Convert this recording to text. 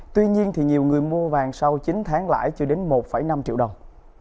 tuy nhiên thì nhiều người mua vàng sau chín tháng lãi chưa đến một năm triệu đồng